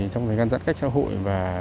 trong cái gian giãn cách xã hội